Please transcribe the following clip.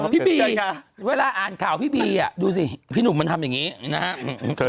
พี่บีเวลาอ่านข่าวพี่บีดูสิพี่หนุ่มมันทำอย่างนี้นะครับ